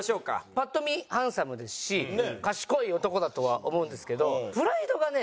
パッと見ハンサムですし賢い男だとは思うんですけどプライドがね